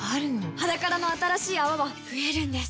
「ｈａｄａｋａｒａ」の新しい泡は増えるんです